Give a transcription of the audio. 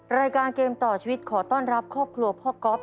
รายการเกมต่อชีวิตขอต้อนรับครอบครัวพ่อก๊อฟ